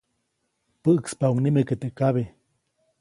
Päʼkspaʼuŋ nike teʼ kabe.